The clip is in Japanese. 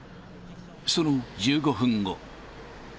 その１５分後。